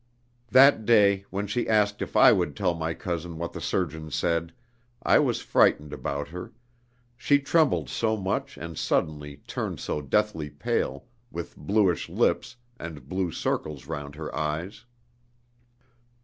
That day, when she asked if I would tell my cousin what the surgeon said, I was frightened about her, she trembled so much and suddenly turned so deathly pale, with bluish lips, and blue circles round her eyes.